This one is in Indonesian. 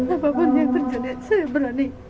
apapun yang terjadi saya berani